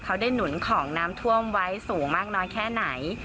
เขาได้หนุนของน้ำท่วมไว้สูงมากน้อยแค่ไหน